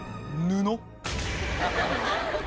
布？